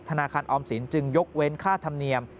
ธนาคารออมสินจึงยกเว้นค่าธรรมเนียม